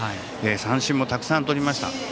三振もたくさんとりました。